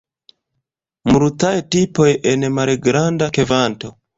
Multaj tipoj en malgranda kvanto.